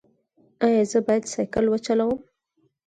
ایا زه باید سایکل وچلوم؟